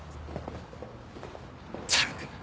ったく。